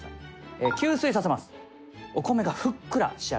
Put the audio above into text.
吸水させます。